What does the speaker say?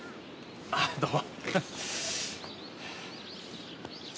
あどうも。